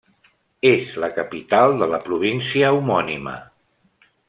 És la capital de la província homònima.